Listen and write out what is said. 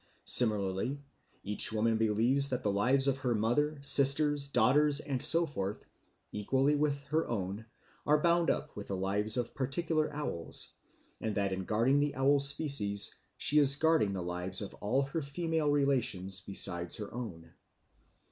Similarly, each woman believes that the lives of her mother, sisters, daughters, and so forth, equally with her own, are bound up with the lives of particular owls, and that in guarding the owl species she is guarding the lives of all her female relations besides her own.